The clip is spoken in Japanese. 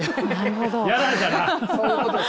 なるほど。